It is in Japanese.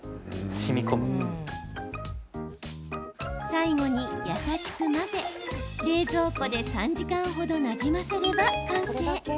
最後に優しく混ぜ、冷蔵庫で３時間程なじませれば完成。